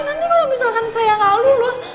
nanti kalau misalkan saya gak lulus